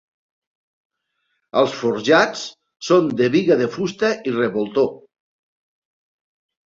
Els forjats són de biga de fusta i revoltó.